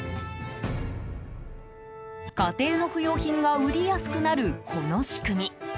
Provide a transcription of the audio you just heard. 家庭の不用品が売りやすくなるこの仕組み。